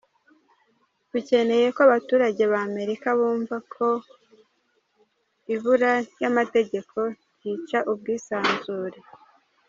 Dukeneye ko abaturage ba Amerika bumva ko ibura ryamategeko ryica ubwisanzure ».